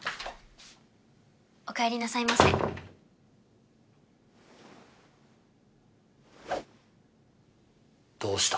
おかえりなさいませどうした？